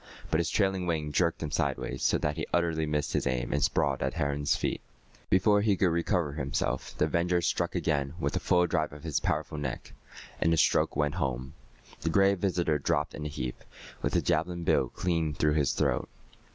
But his trailing wing jerked him sideways, so that he utterly missed his aim and sprawled at the heron's feet. Before he could recover himself, the avenger struck again with the full drive of his powerful neck, and the stroke went home. The Gray Visitor dropped in a heap, with the javelin bill clean through his throat.